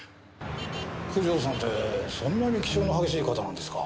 九条さんってそんなに気性の激しい方なんですか？